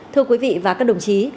thưa quý vị và các đồng chí